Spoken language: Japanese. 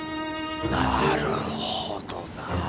なるほどなぁ。